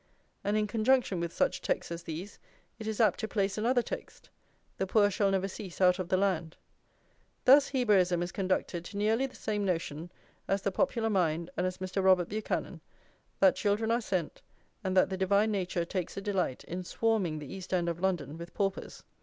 And in conjunction with such texts as these it is apt to place another text: The poor shall never cease out of the land.+ Thus Hebraism is conducted to nearly the same notion as the popular mind and as Mr. Robert Buchanan, that children are sent, and that the divine nature takes a delight in swarming the East End of London with paupers.